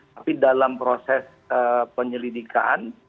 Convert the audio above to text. tapi dalam proses penyelidikan